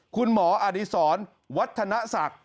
คุณหมออดีศรวัฒนศักดิ์